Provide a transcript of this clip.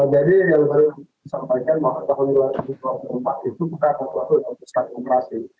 jadi yang baru saya sampaikan bahwa tahun dua ribu dua puluh empat itu bukan waktu waktu yang pusat komunikasi